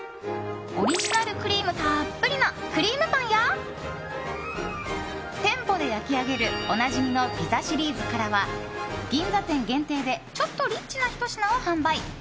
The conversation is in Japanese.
オリジナルクリームたっぷりのクリームパンや店舗で焼き上げるおなじみのピザシリーズからは銀座店限定でちょっとリッチなひと品を販売。